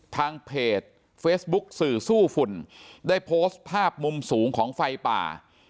ทางเพจเฟซบุ๊กสื่อสู้ฝุ่นได้โพสต์ภาพมุมสูงของไฟป่า